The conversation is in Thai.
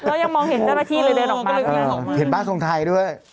แล้วยังมองเห็นเจ้าหน้าที่เลยเดินออกมาเห็นบ้านทรงไทยด้วย